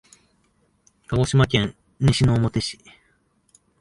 鹿児島県西之表市